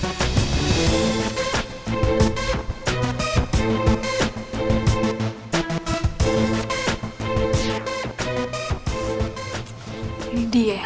hanyane untuk rukunnya